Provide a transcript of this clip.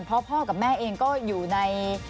เพราะพ่อกับแม่เองก็อยู่ใน